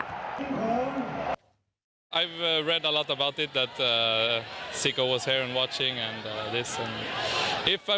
ในทางที่ก็ต้องมีความเจ้าหน่อย